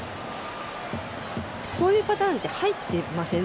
こういうパターンって入ってません？